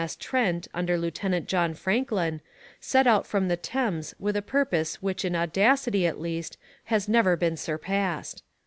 M.S. Trent under Lieutenant John Franklin, set out from the Thames with a purpose which in audacity at least has never been surpassed.